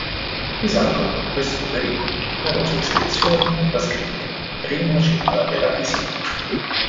Risalgono a questo periodo numerose iscrizioni con la scritta "Prima città della Pisidia.